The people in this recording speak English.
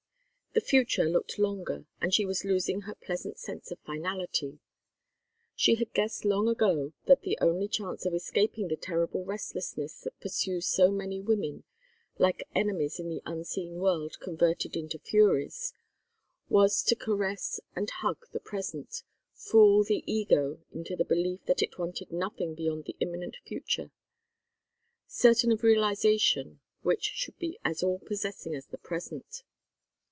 The future looked longer, and she was losing her pleasant sense of finality. She had guessed long ago that the only chance of escaping the terrible restlessness that pursues so many women, like enemies in the unseen world converted into furies, was to caress and hug the present, fool the ego into the belief that it wanted nothing beyond an imminent future, certain of realization, which should be as all possessing as the present.